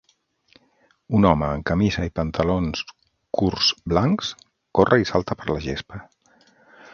Un home amb camisa i pantalons curts blancs corre i salta per la gespa.